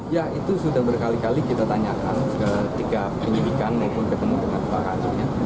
ya itu sudah berkali kali kita tanyakan ketika penyelidikan mungkin ketemu dengan pak aco